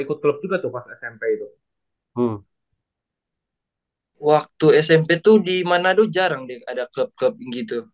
ikut klub juga tuh pas smp itu waktu smp tuh di manado jarang ada klub klub gitu